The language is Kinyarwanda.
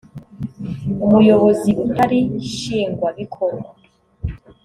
umuyobozi utari nshingwa bikorwa